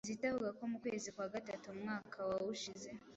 Kizito avuga ko mu kwezi kwa gatatu mu mwaka wa ushize,